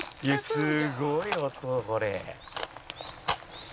「すごい音これ」